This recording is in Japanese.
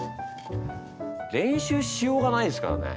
練習しようがないですからね。